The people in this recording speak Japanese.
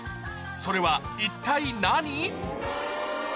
それは一体何？